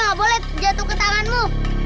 jangan boleh jatuh ke tamanmu